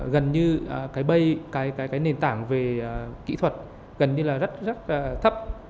gần như cái bay cái nền tảng về kỹ thuật gần như là rất rất thấp